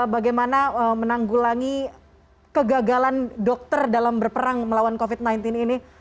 bagaimana menanggulangi kegagalan dokter dalam berperang melawan covid sembilan belas ini